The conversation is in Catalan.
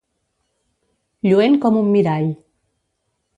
Lluent com un mirall.